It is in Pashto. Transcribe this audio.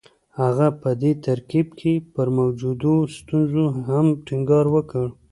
هغه په دې ترکيب کې پر موجودو ستونزو هم ټينګار وکړ.